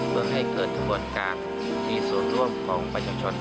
เพื่อให้เกิดกระบวนการมีส่วนร่วมของประชาชน